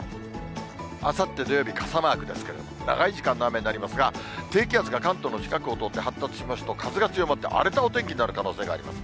あさって土曜日、傘マークですけれども、長い時間の雨になりますが、低気圧が関東の近くを通って発達しますと、風が強まって荒れたお天気になる可能性があります。